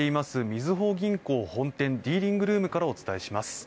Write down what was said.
みずほ銀行本店ディーリングルームからお伝えします